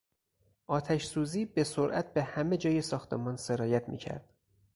آتشسوزی به سرعت به همه جای ساختمان سرایت میکرد.